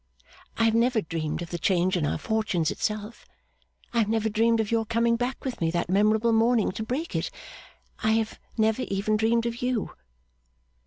I have never dreamed of the change in our fortunes itself; I have never dreamed of your coming back with me that memorable morning to break it; I have never even dreamed of you.